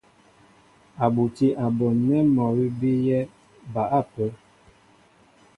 A butí a bon nɛ́ mɔ awʉ́ bíyɛ́ ba ápə́.